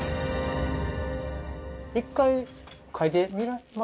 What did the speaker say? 一回描いてみられます？